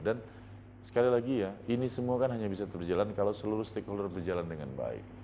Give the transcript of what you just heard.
dan sekali lagi ya ini semua kan hanya bisa berjalan kalau seluruh stakeholder berjalan dengan baik